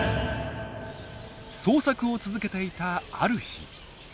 捜索を続けていたある日。